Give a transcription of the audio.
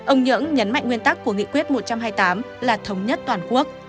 ông nhưỡng nhấn mạnh nguyên tắc của nghị quyết một trăm hai mươi tám là thống nhất toàn quốc